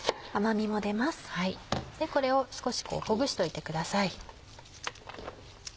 これを少しほぐしといてください。